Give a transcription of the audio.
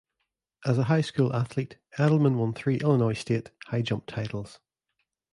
As a high school athlete, Eddleman won three Illinois state high jump titles.